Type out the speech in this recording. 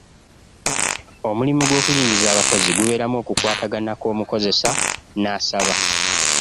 Omulimu gw'okuyingiza abakozi gubeeramu okukwatagana kw'omukozesa n'asaba.